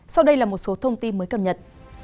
sau đây là một số thông tin mới cập nhật